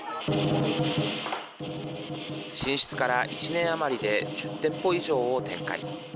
進出から１年余りで１０店舗以上を展開。